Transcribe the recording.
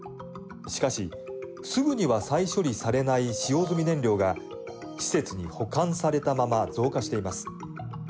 しかし、すぐには再処理されない使用済み燃料が施設に保管されたまま増加しています。